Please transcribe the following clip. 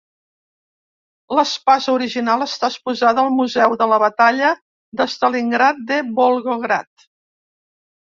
L'espasa original està exposada al Museu de la Batalla de Stalingrad de Volgograd.